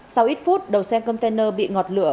sau ít phút đầu xe container bị ngọt lửa